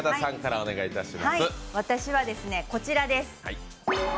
私は、こちらです。